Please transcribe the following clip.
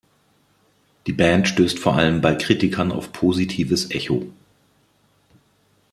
Die Band stößt vor allem bei Kritikern auf positives Echo.